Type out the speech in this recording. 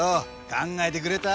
考えてくれた？